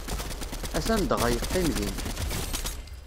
Atan dɣa, yeqqim din.